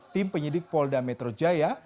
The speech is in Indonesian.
tim penyidik polda metro jaya